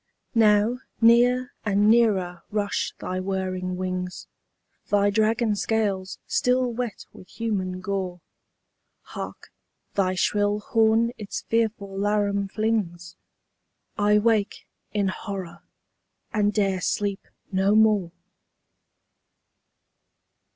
Now near and nearer rush thy whirring wings, Thy dragon scales still wet with human gore. Hark, thy shrill horn its fearful laram flings! —I wake in horror, and 'dare sleep no more!